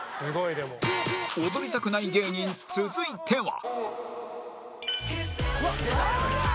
踊りたくない芸人続いては